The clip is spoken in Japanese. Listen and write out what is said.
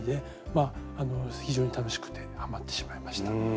まああの非常に楽しくてハマってしまいました。